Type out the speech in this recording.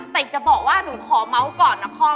แต่จะบอกว่านูขอเม้าก่อนนะครับ